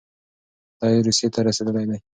دی روسيې ته رسېدلی دی.